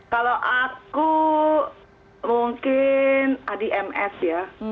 kalau aku mungkin adi ms ya